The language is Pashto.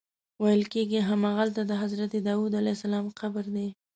ویل کېږي همغلته د حضرت داود علیه السلام قبر دی.